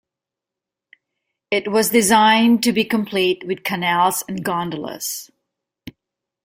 It was designed to be complete with canals and gondolas.